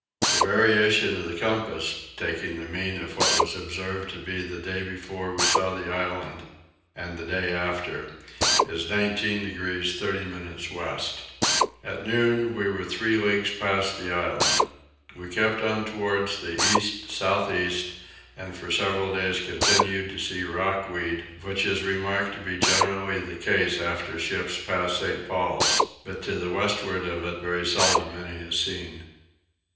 The variation of the compass, taking the mean of what it was observed to be the day before we saw the island and the day after, is 19 degrees 30 minutes west. At noon we were three leagues past the island. We kept on towards the east south east, and for several days continued to see rock weed, which is remarked to be generally the case after ships pass St. Paul's; but to the westward of it very seldom any is seen.